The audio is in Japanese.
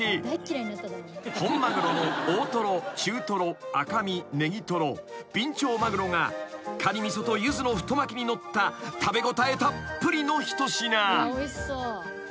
［本マグロの大トロ中トロ赤身ネギトロビンチョウマグロがかにみそとユズの太巻きにのった食べ応えたっぷりの一品］